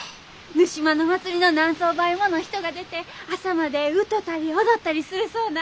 沼島の祭りの何層倍もの人が出て朝まで歌たり踊ったりするそうな。